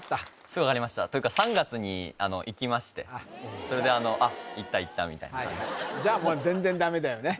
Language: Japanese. すぐ分かりましたというか３月に行きましてそれであっ行った行ったみたいな感じでしたじゃもう全然ダメだよね